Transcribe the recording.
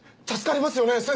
助かりますよね？